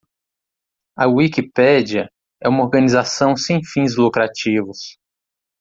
A Wikipedia é uma organização sem fins lucrativos.